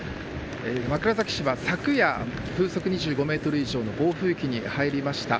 枕崎市は昨夜風速２５メートル以上の暴風域に入りました。